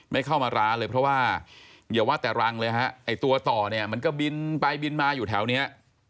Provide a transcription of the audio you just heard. ไม่เข้ามาร้านเลยเพราะว่าอย่าว่าแต่รังเลยฮะไอ้ตัวต่อเนี่ยมันก็บินไปบินมาอยู่แถวเนี้ย